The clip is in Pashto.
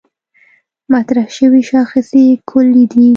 مطرح شوې شاخصې کُلي دي.